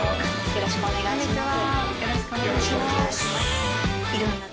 よろしくお願いします。